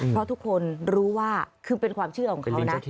เพราะทุกคนรู้ว่าคือเป็นความเชื่อของเขานะ